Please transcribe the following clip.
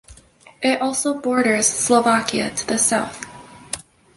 It also borders Slovakia to the south.